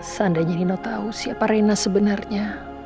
seandainya nino tahu siapa rena sebenarnya